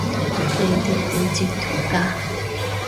你哋點截圖㗎？